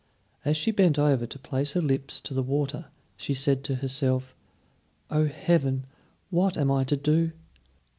As she bent over to place her lips to the water, she said to herself, "O, Heaven! what am I to do?"